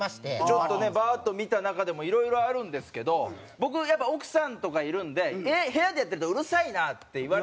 ちょっとねバーッと見た中でもいろいろあるんですけど僕やっぱり奥さんとかいるんで部屋でやってると「うるさいな」って言われるんですけど。